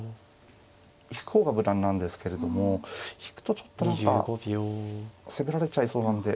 引く方が無難なんですけれども引くとちょっと何か攻められちゃいそうなんで。